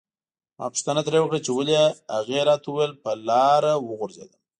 ما پوښتنه ترې وکړه چې ولې هغې راته وویل په لاره وغورځیدم.